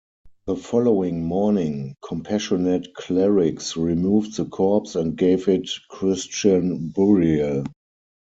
The following morning compassionate clerics removed the corpse and gave it Christian burial.